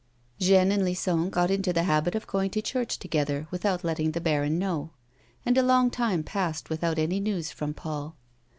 Jeanne and Lison got into the habit of going to church together without letting the baron know ; and a long time passed without any news from Paul.